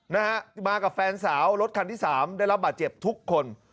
นะฮะมากับแฟนสาวรถคันที่สามได้รับบาดเจ็บทุกคน